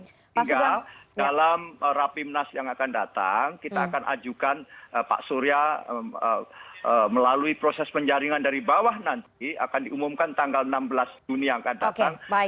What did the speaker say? sehingga dalam rapimnas yang akan datang kita akan ajukan pak surya melalui proses penjaringan dari bawah nanti akan diumumkan tanggal enam belas juni yang akan datang